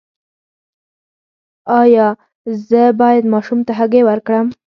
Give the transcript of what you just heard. ایا زه باید ماشوم ته هګۍ ورکړم؟